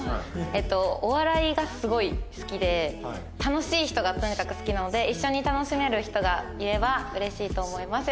えっとお笑いがすごい好きで楽しい人がとにかく好きなので一緒に楽しめる人がいればうれしいと思います。